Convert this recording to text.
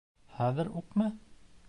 Хәҙер үкме?